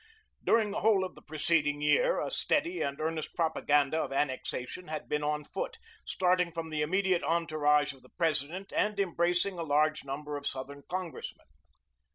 During the whole of the preceding year a steady and earnest propaganda of annexation had been on foot, starting from the immediate entourage of the President and embracing a large number of Southern Congressmen.